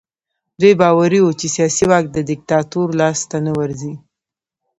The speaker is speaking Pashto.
دوی باوري وو چې سیاسي واک د دیکتاتور لاس ته نه ورځي.